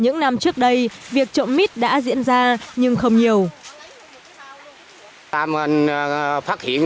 những năm trước đây việc trộm mít đã diễn ra nhưng không nhiều